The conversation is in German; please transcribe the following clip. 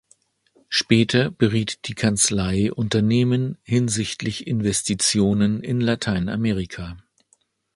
Später beriet die Kanzlei Unternehmen hinsichtlich Investitionen in Lateinamerika.